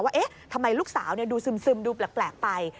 ว่าเอ๊ะทำไมลูกสาวดูซึมดูแปลกไป